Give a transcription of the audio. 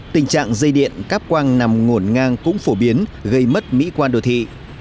tình trạng dây điện cáp quang nằm ngổn ngang cũng phổ biến gây mất mỹ quan đồ thị